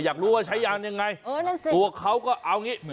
อยากรู้ว่าใช้ยังไงตัวเขาก็เอาอย่างนี้